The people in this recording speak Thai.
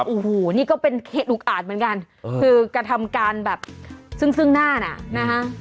โอ้โหนี่ก็เป็นเหตุอุกอาจเหมือนกันคือกระทำการแบบซึ่งซึ่งหน้าน่ะนะคะ